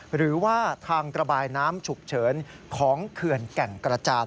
หรือว่าทางระบายน้ำฉุกเฉินของเขื่อนแก่งกระจาน